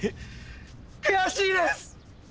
悔しいです！